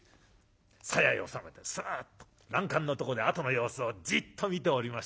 さやへ収めてすっと欄干のとこであとの様子をじっと見ておりまし